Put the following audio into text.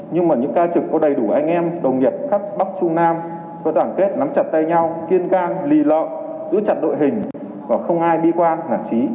nhưng mà những ca trực có đầy đủ anh em đồng nghiệp khắp bắc trung nam có đoàn kết nắm chặt tay nhau kiên can lì lợi giữ chặt đội hình và không ai bi quan nản trí